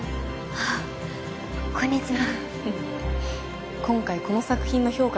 あっこんにちは